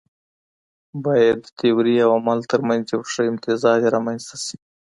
بايد د تيوري او عمل ترمنځ يو ښه امتزاج رامنځته سي.